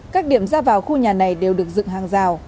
các điểm ra vào khu nhà này đều được dựng hàng rào